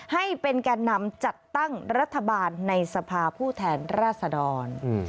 ให้เป็นแก่นำจัดตั้งรัฐบาลในสภาผู้แทนราษดร